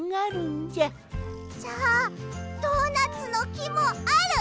じゃあドーナツのきもある？